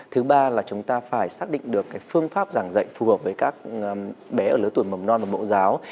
thứ ba là chúng ta phải xác định được phương pháp giảng dạy phù hợp với các bé ở lứa tuổi mầm non và mẫu giáo